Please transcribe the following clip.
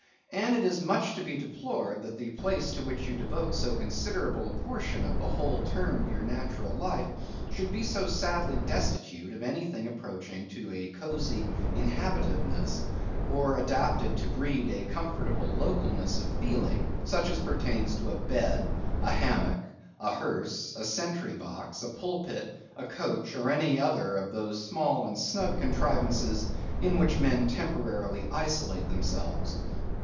And it is much to be deplored that the place to which you devote so considerable a portion of the whole term of your natural life, should be so sadly destitute of anything approaching to a cosy inhabitiveness, or adapted to breed a comfortable localness of feeling, such as pertains to a bed, a hammock, a hearse, a sentry box, a pulpit, a coach, or any other of those small and snug contrivances in which men temporarily isolate themselves.